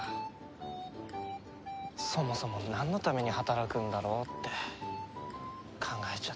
そもそもなんのために働くんだろうって考えちゃって。